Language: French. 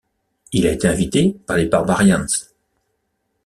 Il a été invité par les Barbarians.